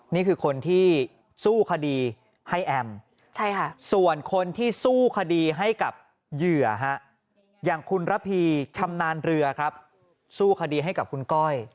นี่คือคนที่สู้คดีให้แอมส่วนคนที่สู้คดีให้กับเหยื่ออย่างคุณระพีชำนาญเรือครับสู้คดีให้กับคุณก้อย